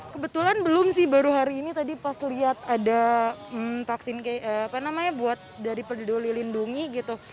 kebetulan belum sih baru hari ini tadi pas lihat ada vaksin apa namanya buat dari peduli lindungi gitu